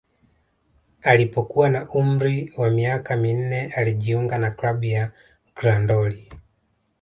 Alipokuwa na umri wa miaka minne alijiunga na klabu ya Grandoli